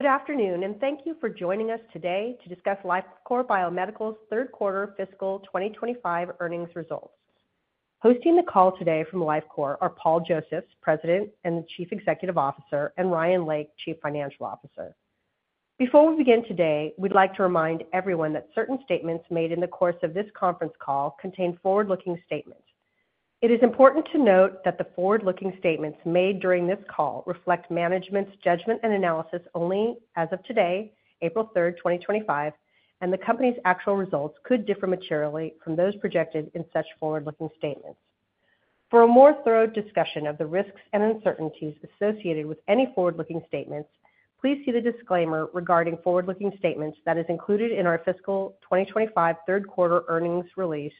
Good afternoon, and thank you for joining us today to discuss Lifecore Biomedical's third quarter fiscal 2025 earnings results. Hosting the call today from Lifecore are Paul Josephs, President and Chief Executive Officer, and Ryan Lake, Chief Financial Officer. Before we begin today, we'd like to remind everyone that certain statements made in the course of this conference call contain forward-looking statements. It is important to note that the forward-looking statements made during this call reflect management's judgment and analysis only as of today, April 3rd, 2025, and the company's actual results could differ materially from those projected in such forward-looking statements. For a more thorough discussion of the risks and uncertainties associated with any forward-looking statements, please see the disclaimer regarding forward-looking statements that is included in our fiscal 2025 third quarter earnings release,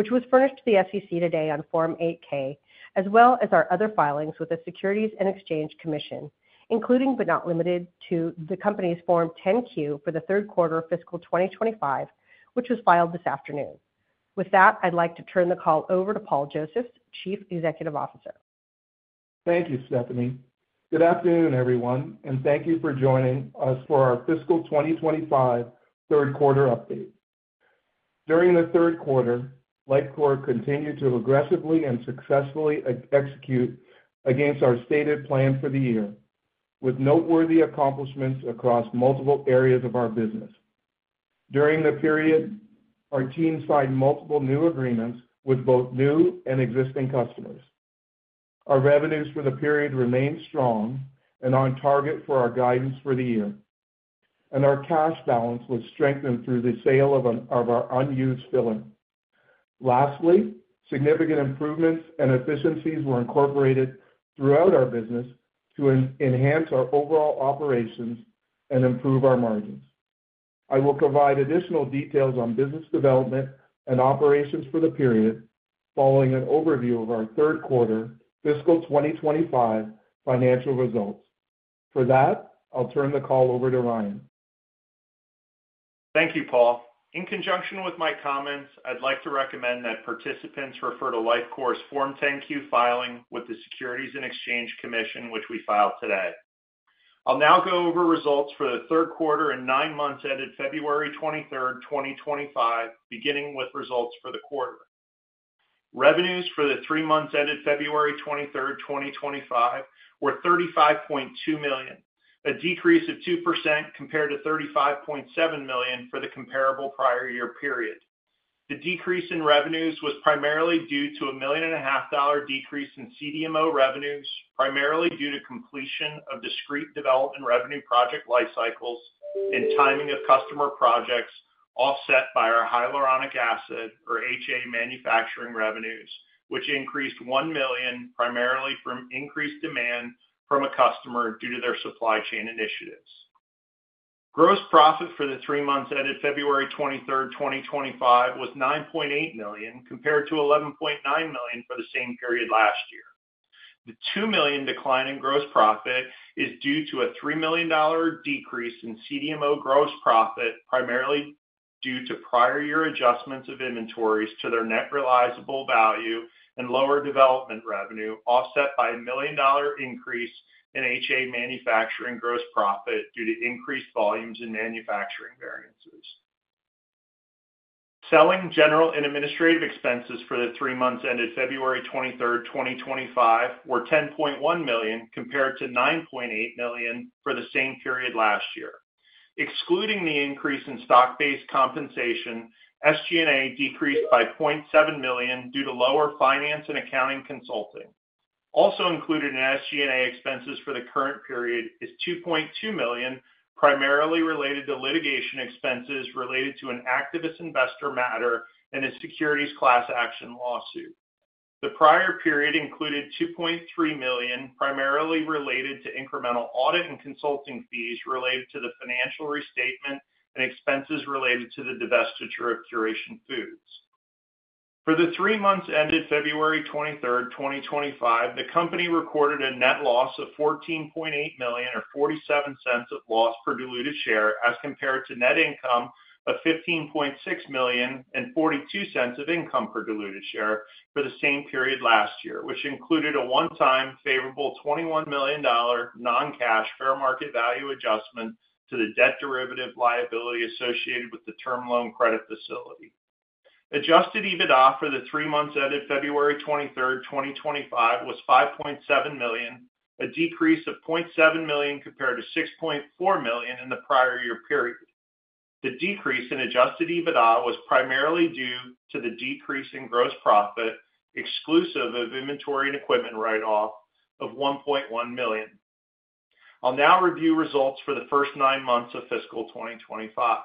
which was furnished to the SEC today on Form 8-K, as well as our other filings with the Securities and Exchange Commission, including but not limited to the company's Form 10-Q for the third quarter of fiscal 2025, which was filed this afternoon. With that, I'd like to turn the call over to Paul Josephs, Chief Executive Officer. Thank you, Stephanie. Good afternoon, everyone, and thank you for joining us for our fiscal 2025 third quarter update. During the third quarter, Lifecore continued to aggressively and successfully execute against our stated plan for the year, with noteworthy accomplishments across multiple areas of our business. During the period, our team signed multiple new agreements with both new and existing customers. Our revenues for the period remained strong and on target for our guidance for the year, and our cash balance was strengthened through the sale of our unused filler. Lastly, significant improvements and efficiencies were incorporated throughout our business to enhance our overall operations and improve our margins. I will provide additional details on business development and operations for the period following an overview of our third quarter fiscal 2025 financial results. For that, I'll turn the call over to Ryan. Thank you, Paul. In conjunction with my comments, I'd like to recommend that participants refer to Lifecore's Form 10-Q filing with the Securities and Exchange Commission, which we filed today. I'll now go over results for the third quarter and nine months ended February 23rd, 2025, beginning with results for the quarter. Revenues for the three months ended February 23rd, 2025, were $35.2 million, a decrease of 2% compared to $35.7 million for the comparable prior year period. The decrease in revenues was primarily due to a $1.5 million decrease in CDMO revenues, primarily due to completion of discrete development revenue project lifecycles and timing of customer projects offset by our hyaluronic acid, or HA, manufacturing revenues, which increased $1 million primarily from increased demand from a customer due to their supply chain initiatives. Gross profit for the three months ended February 23rd, 2025, was $9.8 million compared to $11.9 million for the same period last year. The $2 million decline in gross profit is due to a $3 million decrease in CDMO gross profit, primarily due to prior year adjustments of inventories to their net realizable value and lower development revenue, offset by a $1 million increase in HA manufacturing gross profit due to increased volumes in manufacturing variances. Selling, general and administrative expenses for the three months ended February 23rd, 2025, were $10.1 million compared to $9.8 million for the same period last year. Excluding the increase in stock-based compensation, SG&A decreased by $0.7 million due to lower finance and accounting consulting. Also included in SG&A expenses for the current period is $2.2 million, primarily related to litigation expenses related to an activist investor matter and a securities class action lawsuit. The prior period included $2.3 million, primarily related to incremental audit and consulting fees related to the financial restatement and expenses related to the divestiture of Curation Foods. For the three months ended February 23rd, 2025, the company recorded a net loss of $14.8 million, or $0.47 of loss per diluted share, as compared to net income of $15.6 million, and $0.42 of income per diluted share for the same period last year, which included a one-time favorable $21 million non-cash fair market value adjustment to the debt derivative liability associated with the term loan credit facility. Adjusted EBITDA for the three months ended February 23rd, 2025, was $5.7 million, a decrease of $0.7 million compared to $6.4 million in the prior year period. The decrease in adjusted EBITDA was primarily due to the decrease in gross profit, exclusive of inventory and equipment write-off, of $1.1 million. I'll now review results for the first nine months of fiscal 2025.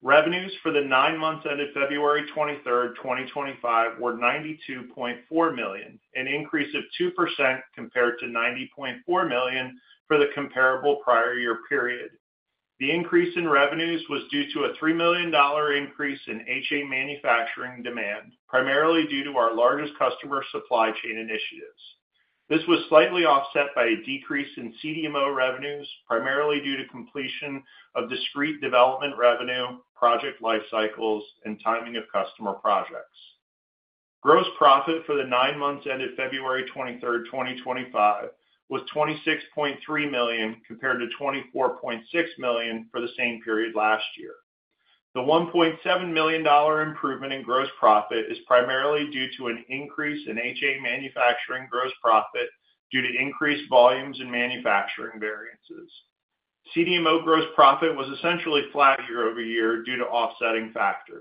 Revenues for the nine months ended February 23rd, 2025, were $92.4 million, an increase of 2% compared to $90.4 million for the comparable prior year period. The increase in revenues was due to a $3 million increase in HA manufacturing demand, primarily due to our largest customer supply chain initiatives. This was slightly offset by a decrease in CDMO revenues, primarily due to completion of discrete development revenue, project lifecycles, and timing of customer projects. Gross profit for the nine months ended February 23rd, 2025, was $26.3 million compared to $24.6 million for the same period last year. The $1.7 million improvement in gross profit is primarily due to an increase in HA manufacturing gross profit due to increased volumes and manufacturing variances. CDMO gross profit was essentially flat year-over-year due to offsetting factors.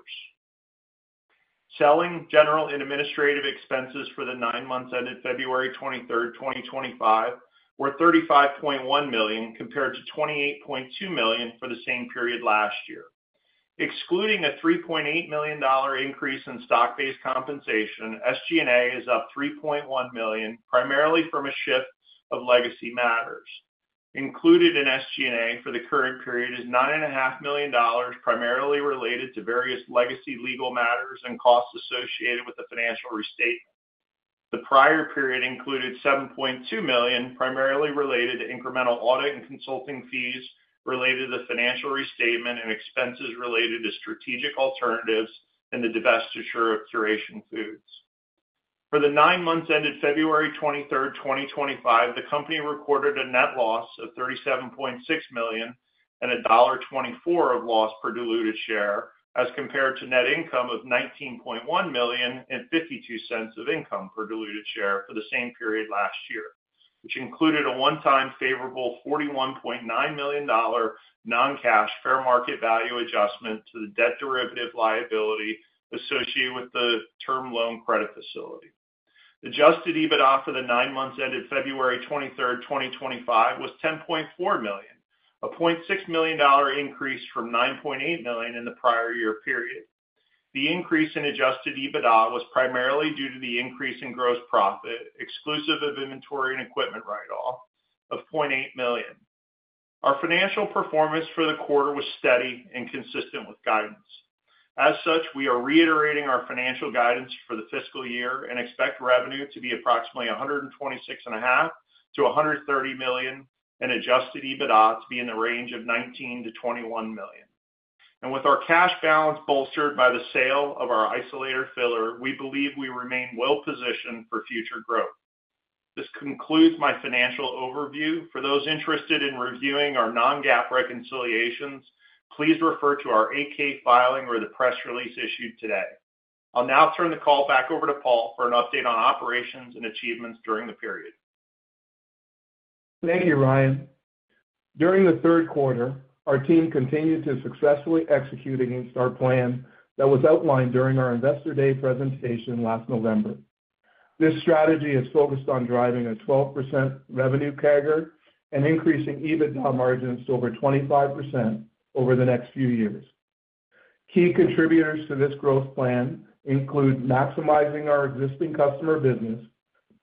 Selling general and administrative expenses for the nine months ended February 23rd, 2025, were $35.1 million compared to $28.2 million for the same period last year. Excluding a $3.8 million increase in stock-based compensation, SG&A is up $3.1 million, primarily from a shift of legacy matters. Included in SG&A for the current period is $9.5 million, primarily related to various legacy legal matters and costs associated with the financial restatement. The prior period included $7.2 million, primarily related to incremental audit and consulting fees related to the financial restatement and expenses related to strategic alternatives and the divestiture of Curation Foods. For the nine months ended February 23rd, 2025, the company recorded a net loss of $37.6 million and $1.24 of loss per diluted share, as compared to net income of $19.1 million and $0.52 of income per diluted share for the same period last year, which included a one-time favorable $41.9 million non-cash fair market value adjustment to the debt derivative liability associated with the term loan credit facility. Adjusted EBITDA for the nine months ended February 23rd, 2025, was $10.4 million, a $0.6 million increase from $9.8 million in the prior year period. The increase in adjusted EBITDA was primarily due to the increase in gross profit, exclusive of inventory and equipment write-off, of $0.8 million. Our financial performance for the quarter was steady and consistent with guidance. As such, we are reiterating our financial guidance for the fiscal year and expect revenue to be approximately $126.5 million-$130 million, and adjusted EBITDA to be in the range of $19 million-$21 million. With our cash balance bolstered by the sale of our isolator filler, we believe we remain well-positioned for future growth. This concludes my financial overview. For those interested in reviewing our non-GAAP reconciliations, please refer to our Form 8-K filing or the press release issued today. I'll now turn the call back over to Paul for an update on operations and achievements during the period. Thank you, Ryan. During the third quarter, our team continued to successfully execute against our plan that was outlined during our Investor Day presentation last November. This strategy is focused on driving a 12% revenue CAGR and increasing EBITDA margins to over 25% over the next few years. Key contributors to this growth plan include maximizing our existing customer business,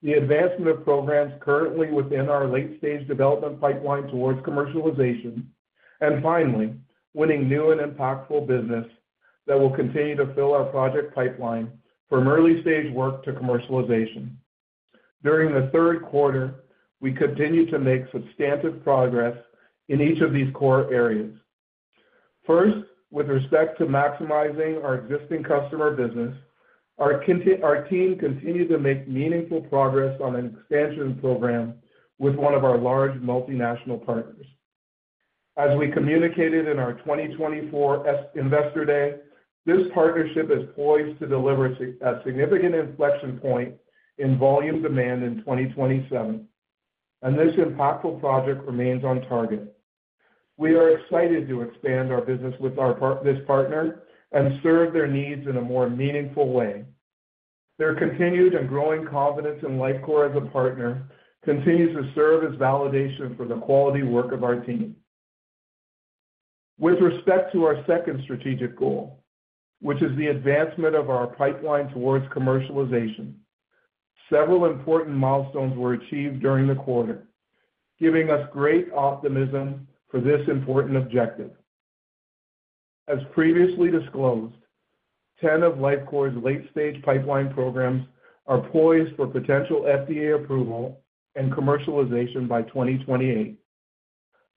the advancement of programs currently within our late-stage development pipeline towards commercialization, and finally, winning new and impactful business that will continue to fill our project pipeline from early-stage work to commercialization. During the third quarter, we continue to make substantive progress in each of these core areas. First, with respect to maximizing our existing customer business, our team continued to make meaningful progress on an expansion program with one of our large multinational partners. As we communicated in our 2024 Investor Day, this partnership is poised to deliver a significant inflection point in volume demand in 2027, and this impactful project remains on target. We are excited to expand our business with this partner and serve their needs in a more meaningful way. Their continued and growing confidence in Lifecore as a partner continues to serve as validation for the quality work of our team. With respect to our second strategic goal, which is the advancement of our pipeline towards commercialization, several important milestones were achieved during the quarter, giving us great optimism for this important objective. As previously disclosed, 10 of Lifecore's late-stage pipeline programs are poised for potential FDA approval and commercialization by 2028.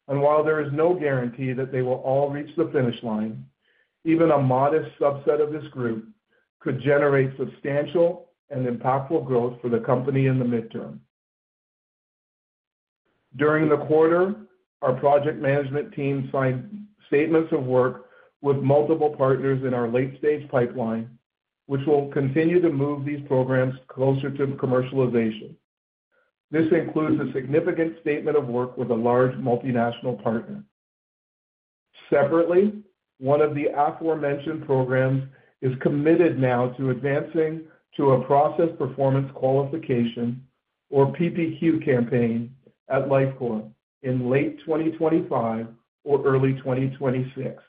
While there is no guarantee that they will all reach the finish line, even a modest subset of this group could generate substantial and impactful growth for the company in the midterm. During the quarter, our project management team signed statements of work with multiple partners in our late-stage pipeline, which will continue to move these programs closer to commercialization. This includes a significant statement of work with a large multinational partner. Separately, one of the aforementioned programs is committed now to advancing to a process performance qualification, or PPQ campaign at Lifecore in late 2025 or early 2026.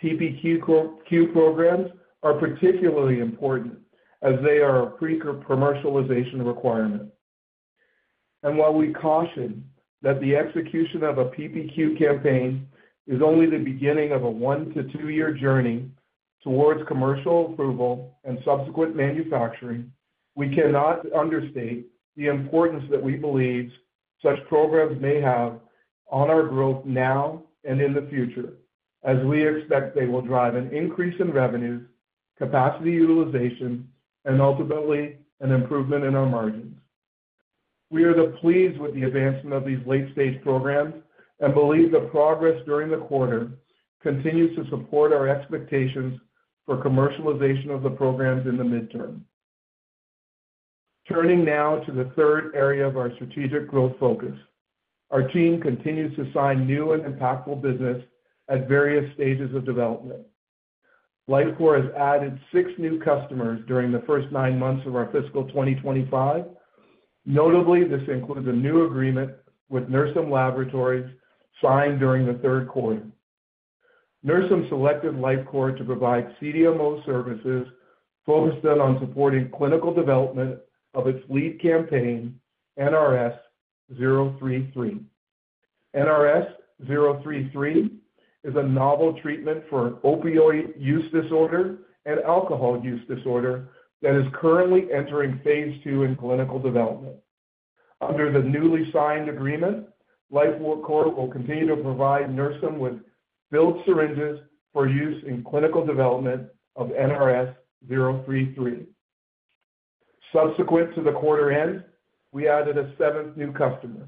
PPQ programs are particularly important as they are a pre-commercialization requirement. While we caution that the execution of a PPQ campaign is only the beginning of a one to two-year journey towards commercial approval and subsequent manufacturing, we cannot understate the importance that we believe such programs may have on our growth now and in the future, as we expect they will drive an increase in revenues, capacity utilization, and ultimately an improvement in our margins. We are pleased with the advancement of these late-stage programs and believe the progress during the quarter continues to support our expectations for commercialization of the programs in the midterm. Turning now to the third area of our strategic growth focus, our team continues to sign new and impactful business at various stages of development. Lifecore has added six new customers during the first nine months of our fiscal 2025. Notably, this includes a new agreement with Nirsum Laboratories signed during the third quarter. Nirsum selected Lifecore to provide CDMO services focused on supporting clinical development of its lead campaign, NRS-033. NRS-033 is a novel treatment for opioid use disorder and alcohol use disorder that is currently entering phase two in clinical development. Under the newly signed agreement, Lifecore will continue to provide Nirsum with filled syringes for use in clinical development of NRS-033. Subsequent to the quarter end, we added a seventh new customer,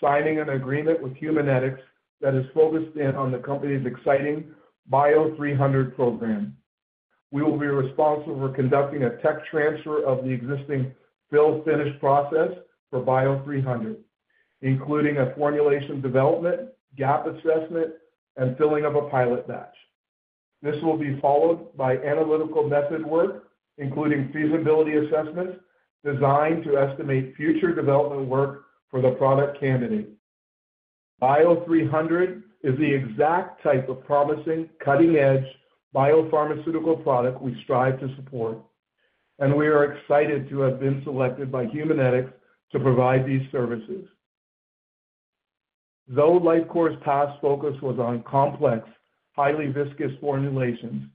signing an agreement with Humanetics that is focused in on the company's exciting BIO 300 program. We will be responsible for conducting a tech transfer of the existing fill-finish process for BIO 300, including a formulation development, gap assessment, and filling of a pilot batch. This will be followed by analytical method work, including feasibility assessments designed to estimate future development work for the product candidate. BIO 300 is the exact type of promising, cutting-edge biopharmaceutical product we strive to support, and we are excited to have been selected by Humanetics to provide these services. Though Lifecore's past focus was on complex, highly viscous formulations,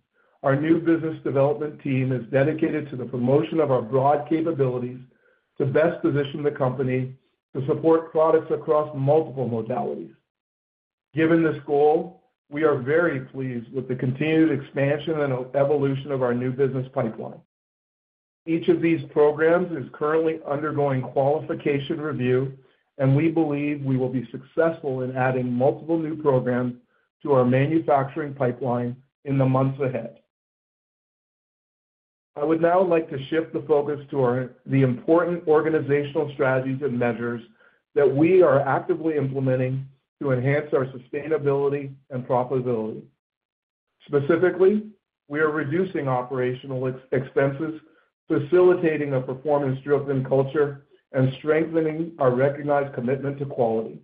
our new business development team is dedicated to the promotion of our broad capabilities to best position the company to support products across multiple modalities. Given this goal, we are very pleased with the continued expansion and evolution of our new business pipeline. Each of these programs is currently undergoing qualification review, and we believe we will be successful in adding multiple new programs to our manufacturing pipeline in the months ahead. I would now like to shift the focus to the important organizational strategies and measures that we are actively implementing to enhance our sustainability and profitability. Specifically, we are reducing operational expenses, facilitating a performance-driven culture, and strengthening our recognized commitment to quality.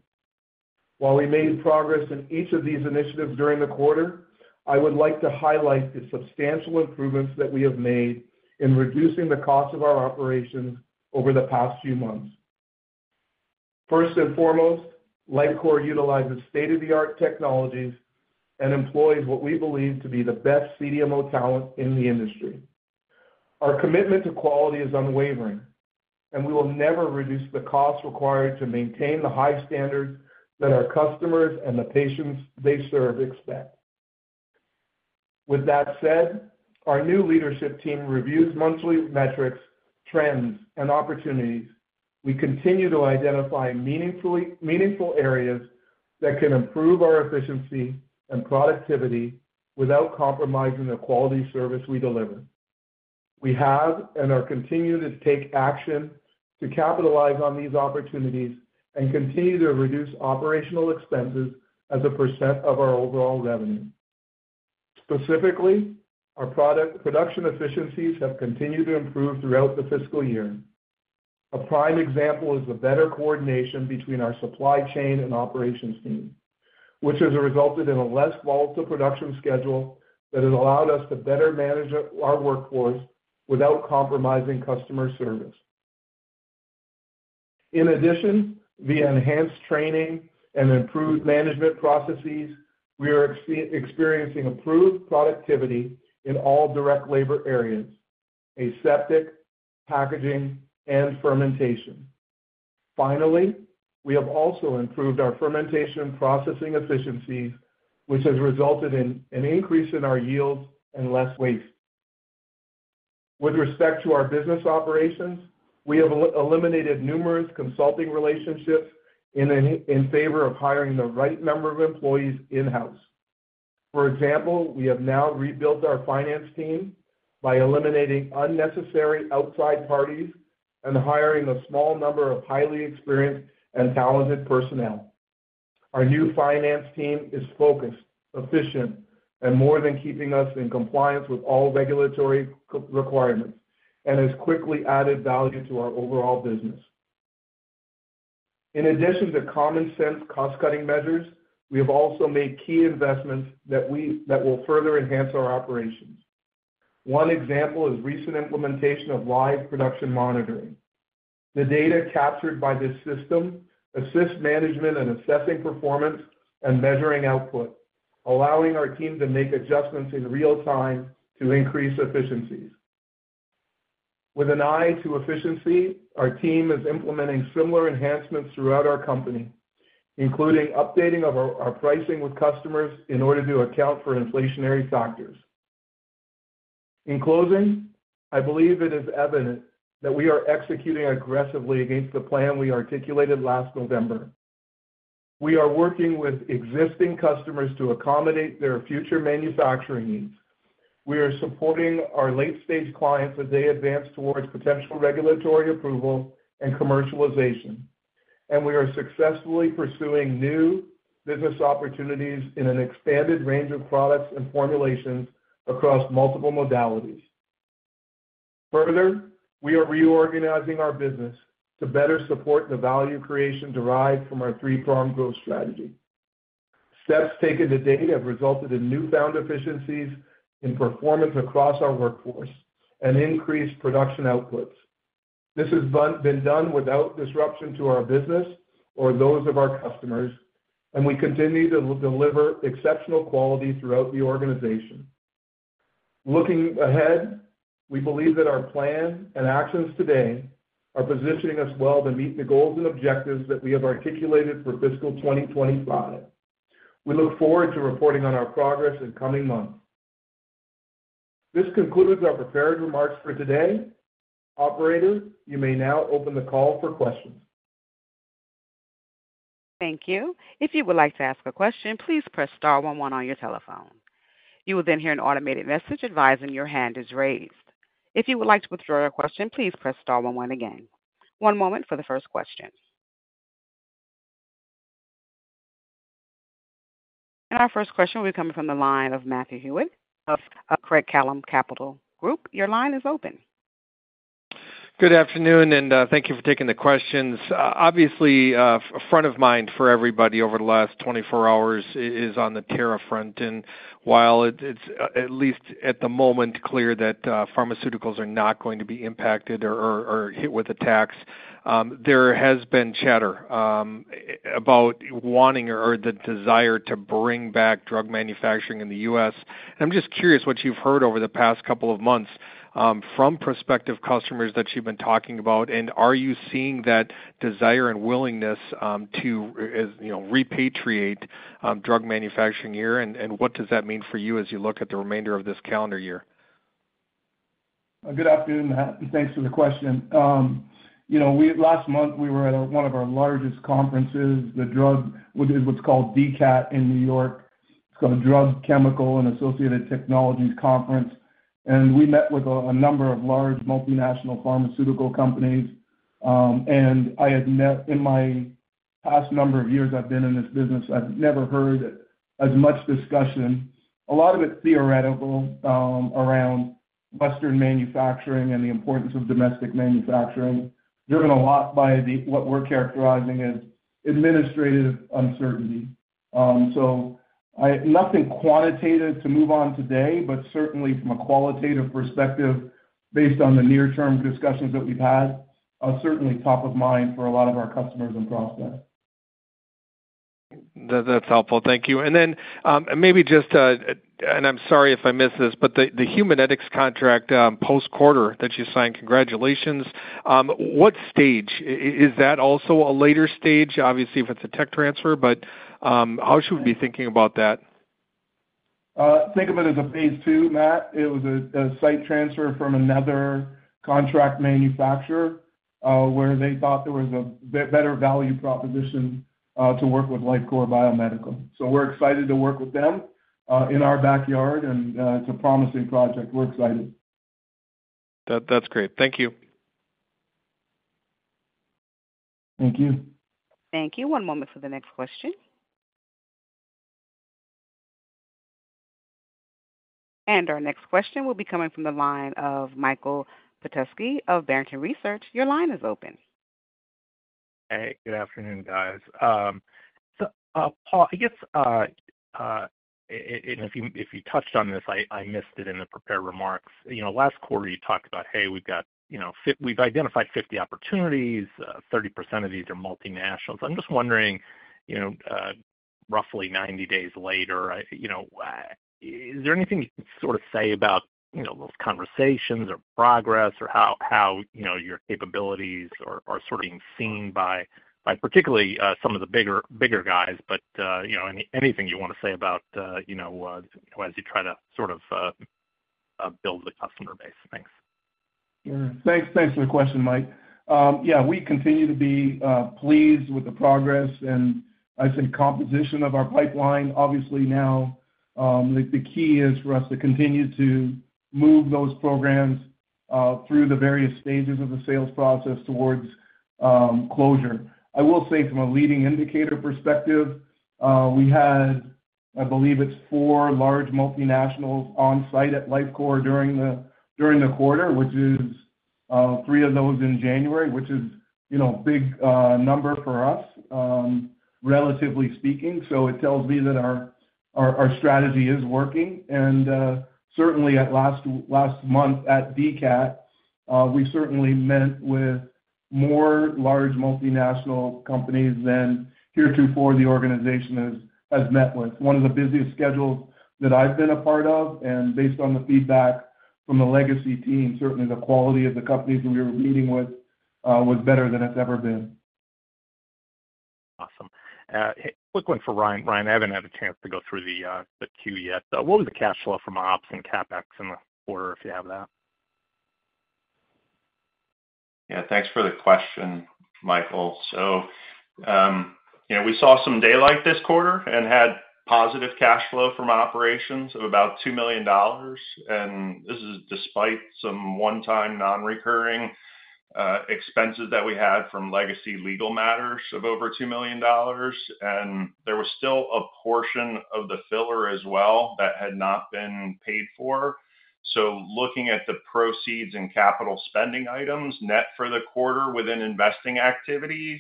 While we made progress in each of these initiatives during the quarter, I would like to highlight the substantial improvements that we have made in reducing the cost of our operations over the past few months. First and foremost, Lifecore utilizes state-of-the-art technologies and employs what we believe to be the best CDMO talent in the industry. Our commitment to quality is unwavering, and we will never reduce the cost required to maintain the high standards that our customers and the patients they serve expect. With that said, our new leadership team reviews monthly metrics, trends, and opportunities. We continue to identify meaningful areas that can improve our efficiency and productivity without compromising the quality service we deliver. We have and are continuing to take action to capitalize on these opportunities and continue to reduce operational expenses as a percent of our overall revenue. Specifically, our production efficiencies have continued to improve throughout the fiscal year. A prime example is the better coordination between our supply chain and operations team, which has resulted in a less volatile production schedule that has allowed us to better manage our workforce without compromising customer service. In addition, via enhanced training and improved management processes, we are experiencing improved productivity in all direct labor areas: aseptic, packaging, and fermentation. Finally, we have also improved our fermentation processing efficiencies, which has resulted in an increase in our yields and less waste. With respect to our business operations, we have eliminated numerous consulting relationships in favor of hiring the right number of employees in-house. For example, we have now rebuilt our finance team by eliminating unnecessary outside parties and hiring a small number of highly experienced and talented personnel. Our new finance team is focused, efficient, and more than keeping us in compliance with all regulatory requirements, and has quickly added value to our overall business. In addition to common-sense cost-cutting measures, we have also made key investments that will further enhance our operations. One example is recent implementation of live production monitoring. The data captured by this system assists management in assessing performance and measuring output, allowing our team to make adjustments in real time to increase efficiencies. With an eye to efficiency, our team is implementing similar enhancements throughout our company, including updating our pricing with customers in order to account for inflationary factors. In closing, I believe it is evident that we are executing aggressively against the plan we articulated last November. We are working with existing customers to accommodate their future manufacturing needs. We are supporting our late-stage clients as they advance towards potential regulatory approval and commercialization, and we are successfully pursuing new business opportunities in an expanded range of products and formulations across multiple modalities. Further, we are reorganizing our business to better support the value creation derived from our three-pronged growth strategy. Steps taken to date have resulted in newfound efficiencies in performance across our workforce and increased production outputs. This has been done without disruption to our business or those of our customers, and we continue to deliver exceptional quality throughout the organization. Looking ahead, we believe that our plan and actions today are positioning us well to meet the goals and objectives that we have articulated for fiscal 2025. We look forward to reporting on our progress in coming months. This concludes our prepared remarks for today. Operator, you may now open the call for questions. Thank you. If you would like to ask a question, please press star one one on your telephone. You will then hear an automated message advising your hand is raised. If you would like to withdraw your question, please press star one one again. One moment for the first question. Our first question will be coming from the line of Matthew Hewitt of Craig-Hallum Capital Group. Your line is open. Good afternoon, and thank you for taking the questions. Obviously, front of mind for everybody over the last 24 hours is on the tariff front. While it's at least at the moment clear that pharmaceuticals are not going to be impacted or hit with a tax, there has been chatter about wanting or the desire to bring back drug manufacturing in the U.S. I'm just curious what you've heard over the past couple of months from prospective customers that you've been talking about, and are you seeing that desire and willingness to repatriate drug manufacturing here? What does that mean for you as you look at the remainder of this calendar year? Good afternoon, and thanks for the question. Last month, we were at one of our largest conferences, the drug, which is what's called DCAT in New York. It's called Drug, Chemical, and Associated Technologies Conference. We met with a number of large multinational pharmaceutical companies. In my past number of years I've been in this business, I've never heard as much discussion, a lot of it theoretical, around Western manufacturing and the importance of domestic manufacturing, driven a lot by what we're characterizing as administrative uncertainty. Nothing quantitative to move on today, but certainly from a qualitative perspective, based on the near-term discussions that we've had, certainly top of mind for a lot of our customers and prospects. That's helpful. Thank you. Maybe just—and I'm sorry if I missed this—but the Humanetics contract post-quarter that you signed, congratulations. What stage? Is that also a later stage, obviously, if it's a tech transfer? How should we be thinking about that? Think of it as a phase two, Matt. It was a site transfer from another contract manufacturer where they thought there was a better value proposition to work with Lifecore Biomedical. We are excited to work with them in our backyard, and it is a promising project. We are excited. That's great. Thank you. Thank you. Thank you. One moment for the next question. Our next question will be coming from the line of Michael Petusky of Barrington Research. Your line is open. Hey, good afternoon, guys. Paul, I guess if you touched on this, I missed it in the prepared remarks. Last quarter, you talked about, "Hey, we've identified 50 opportunities. 30% of these are multinationals." I'm just wondering, roughly 90 days later, is there anything you can sort of say about those conversations or progress or how your capabilities are sort of being seen by particularly some of the bigger guys? Anything you want to say about as you try to sort of build the customer base? Thanks. Yeah. Thanks for the question, Mike. Yeah, we continue to be pleased with the progress and, I'd say, composition of our pipeline. Obviously, now the key is for us to continue to move those programs through the various stages of the sales process towards closure. I will say, from a leading indicator perspective, we had, I believe it's four large multinationals on-site at Lifecore during the quarter, which is three of those in January, which is a big number for us, relatively speaking. It tells me that our strategy is working. Certainly, last month at DCAT, we certainly met with more large multinational companies than heretofore the organization has met with. One of the busiest schedules that I've been a part of, and based on the feedback from the legacy team, certainly the quality of the companies we were meeting with was better than it's ever been. Awesome. Quick one for Ryan. Ryan, I haven't had a chance to go through the queue yet. What was the cash flow from ops and CapEx in the quarter, if you have that? Yeah, thanks for the question, Michael. We saw some daylight this quarter and had positive cash flow from operations of about $2 million. This is despite some one-time non-recurring expenses that we had from legacy legal matters of over $2 million. There was still a portion of the filler as well that had not been paid for. Looking at the proceeds and capital spending items net for the quarter within investing activities,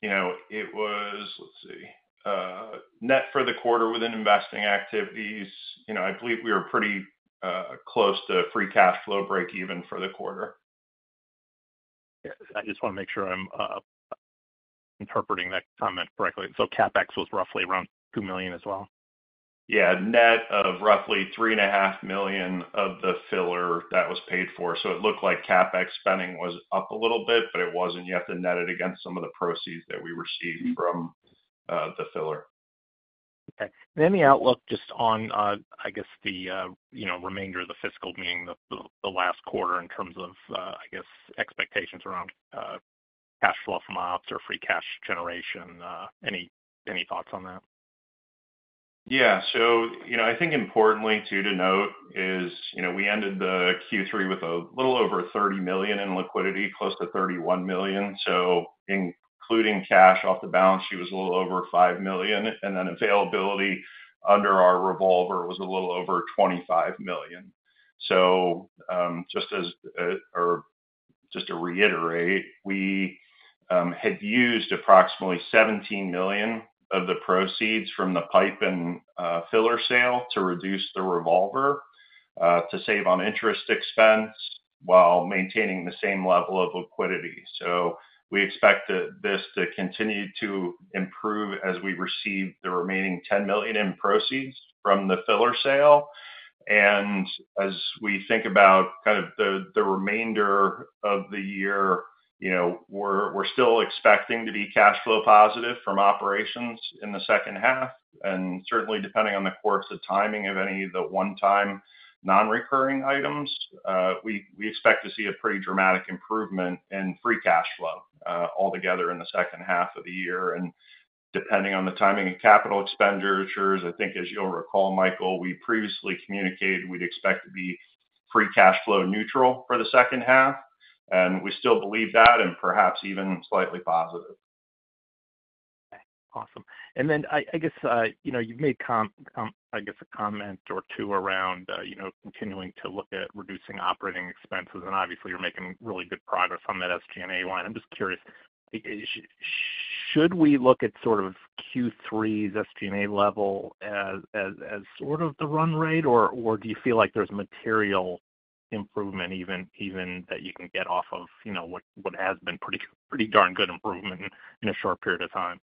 it was, let's see, net for the quarter within investing activities, I believe we were pretty close to free cash flow break-even for the quarter. Yeah. I just want to make sure I'm interpreting that comment correctly. CapEx was roughly around $2 million as well? Yeah. Net of roughly $3.5 million of the filler that was paid for. It looked like CapEx spending was up a little bit, but it wasn't. You have to net it against some of the proceeds that we received from the filler. Okay. Any outlook just on, I guess, the remainder of the fiscal, meaning the last quarter in terms of, I guess, expectations around cash flow from ops or free cash generation? Any thoughts on that? Yeah. I think importantly too to note is we ended the Q3 with a little over $30 million in liquidity, close to $31 million. Including cash off the balance sheet was a little over $5 million. Availability under our revolver was a little over $25 million. Just to reiterate, we had used approximately $17 million of the proceeds from the pipe and filler sale to reduce the revolver to save on interest expense while maintaining the same level of liquidity. We expect this to continue to improve as we receive the remaining $10 million in proceeds from the filler sale. As we think about kind of the remainder of the year, we're still expecting to be cash flow positive from operations in the second half. Certainly, depending on the course of timing of any of the one-time non-recurring items, we expect to see a pretty dramatic improvement in free cash flow altogether in the second half of the year. Depending on the timing of capital expenditures, I think, as you'll recall, Michael, we previously communicated we'd expect to be free cash flow neutral for the second half. We still believe that and perhaps even slightly positive. Awesome. I guess you've made, I guess, a comment or two around continuing to look at reducing operating expenses. Obviously, you're making really good progress on that SG&A line. I'm just curious, should we look at sort of Q3's SG&A level as sort of the run rate, or do you feel like there's material improvement even that you can get off of what has been pretty darn good improvement in a short period of time?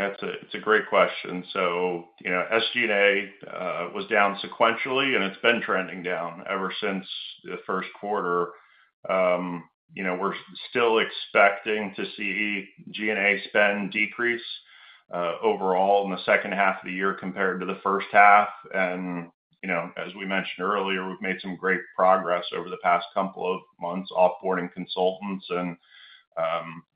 It's a great question. SG&A was down sequentially, and it's been trending down ever since the first quarter. We're still expecting to see G&A spend decrease overall in the second half of the year compared to the first half. As we mentioned earlier, we've made some great progress over the past couple of months offboarding consultants.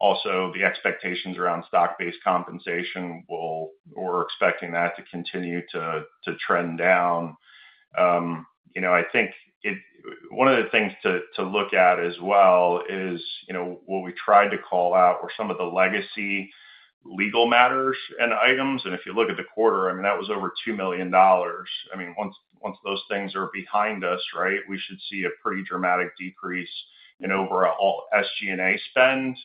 Also, the expectations around stock-based compensation, we're expecting that to continue to trend down. I think one of the things to look at as well is what we tried to call out were some of the legacy legal matters and items. If you look at the quarter, I mean, that was over $2 million. I mean, once those things are behind us, right, we should see a pretty dramatic decrease in overall SG&A spend.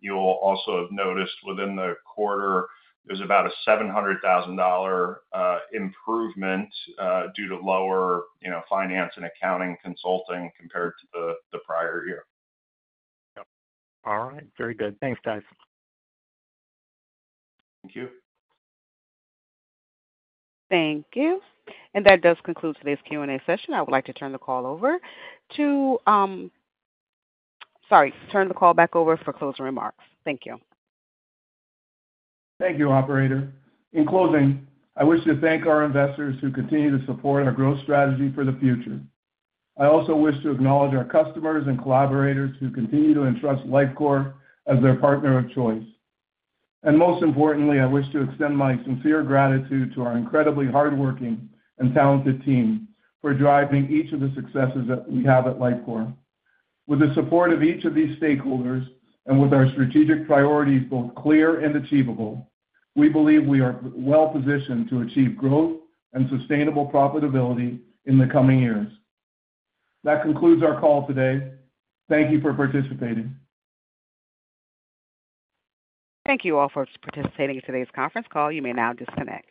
You'll also have noticed within the quarter, there's about a $700,000 improvement due to lower finance and accounting consulting compared to the prior year. All right. Very good. Thanks, guys. Thank you. Thank you. That does conclude today's Q&A session. I would like to turn the call over to—sorry—turn the call back over for closing remarks. Thank you. Thank you, Operator. In closing, I wish to thank our investors who continue to support our growth strategy for the future. I also wish to acknowledge our customers and collaborators who continue to entrust Lifecore as their partner of choice. Most importantly, I wish to extend my sincere gratitude to our incredibly hardworking and talented team for driving each of the successes that we have at Lifecore. With the support of each of these stakeholders and with our strategic priorities both clear and achievable, we believe we are well-positioned to achieve growth and sustainable profitability in the coming years. That concludes our call today. Thank you for participating. Thank you all for participating in today's conference call. You may now disconnect.